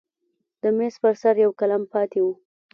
د میز پر سر یو قلم پاتې و.